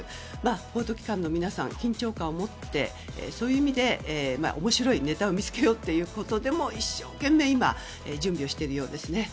報道機関の皆さん緊張感を持ってそういう意味で、面白いネタを見つけようということでも一生懸命今、準備をしているようですね。